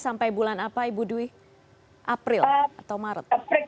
sampai bulan apa ibu dwi april atau maret